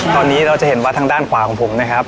ตอนนี้เราจะเห็นว่าทางด้านขวาของผมนะครับ